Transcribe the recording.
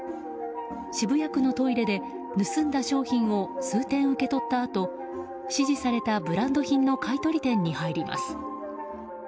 渋谷区のトイレで盗んだ商品を数点受け取ったあと指示された、ブランド品の買い取り店に入ります。